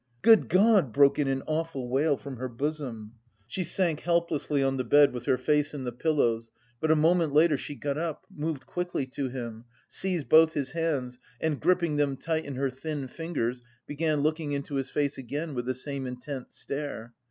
"Good God!" broke in an awful wail from her bosom. She sank helplessly on the bed with her face in the pillows, but a moment later she got up, moved quickly to him, seized both his hands and, gripping them tight in her thin fingers, began looking into his face again with the same intent stare.